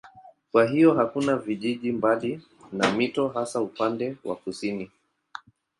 Kwa hiyo hakuna vijiji mbali na mito hasa upande wa kusini.